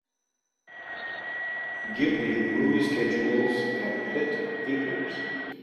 Give me the movie schedules at Plitt Theatres